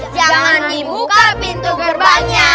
jangan dibuka pintu gerbangnya